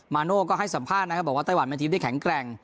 โน่ก็ให้สัมภาษณ์นะครับบอกว่าไต้หวันเป็นทีมที่แข็งแกร่ง